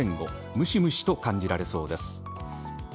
むしむしと感じられそうです。